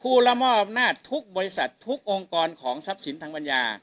ผู้ละมอบนาดทุกบริษัททุกองค์กรของทรัพย์สินทางบรรยา